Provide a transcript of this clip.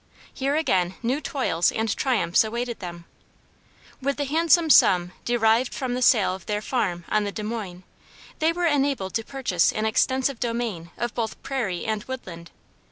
Here again new toils and triumphs awaited them. With the handsome sum derived from the sale of their farm on the Des Moines, they were enabled to purchase an extensive domain of both prairie and woodland.